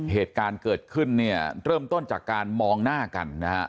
เหตุการณ์เกิดขึ้นเนี่ยเริ่มต้นจากการมองหน้ากันนะฮะ